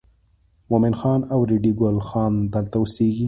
مومن خان او ریډي ګل خان دلته اوسېږي.